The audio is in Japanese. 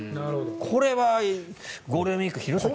これはゴールデンウィーク、弘前。